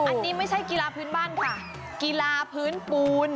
อันนี้ไม่ใช่กีฬาพื้นบ้านค่ะกีฬาพื้นปูน